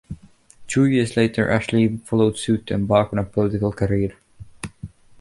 Two years later Ashley followed suit to embark on a political career.